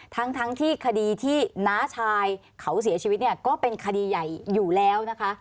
ทั้งที่คดีที่น้าชายเขาเสียชีวิตเนี่ยก็เป็นคดีใหญ่อยู่แล้วนะคะ